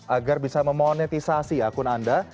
agar bisa memonetisasi akun anda